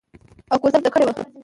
او کوزده مې ورته کړې وه.